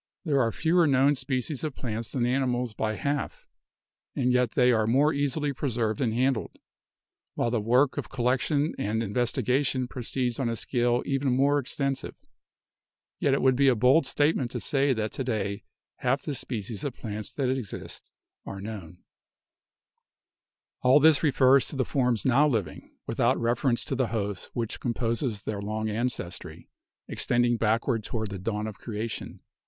There are fewer known species of plants than animals by half, and they are more easily preserved and handled, while the work of collection and investigation proceeds on a scale even more extensive, yet it would be a bold statement to say that to day half the species of plants that exist are known. 124 ORIGIN OF SPECIES 125 All this refers to the forms now living, without refer ence to the host which composes their long ancestry, extending backward toward the dawn of creation.